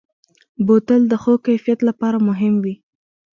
بوتل د ښو کیفیت لپاره مهم وي.